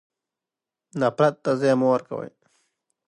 نفرت ته ځای مه ورکوئ.